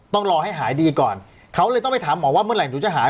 ต้องรอให้หายดีก่อนเขาเลยต้องไปถามหมอว่าเมื่อไหร่หนูจะหาย